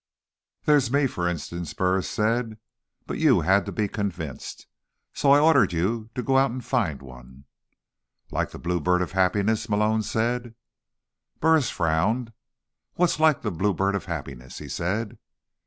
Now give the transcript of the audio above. "There's me, for instance," Burris said. "But you had to be convinced. So I ordered you to go out and find one." "Like the Bluebird of Happiness," Malone said. Burris frowned. "What's like the Bluebird of Happiness?" he said.